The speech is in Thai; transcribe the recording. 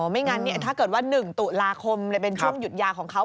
ไม่งั้นถ้าเกิดว่า๑ตุลาคมเป็นช่วงหยุดยาของเขา